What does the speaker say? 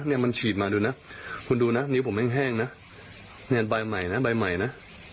เนี้ยมันฉีดมาดูน่ะคุณดูน่ะนิ้วผมแห้งแห้งน่ะเนี้ยใบใหม่น่ะ